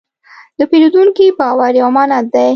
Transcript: د پیرودونکي باور یو امانت دی.